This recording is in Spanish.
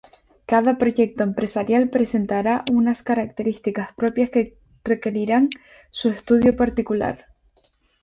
Cada proyecto empresarial presentara unas características propias que requerirán su estudio particular.